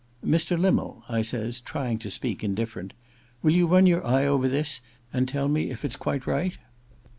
* Mr. Limmel,' I says, trying to speak in (UfFerent, * will you run your eye over this, and tell me if it's quite right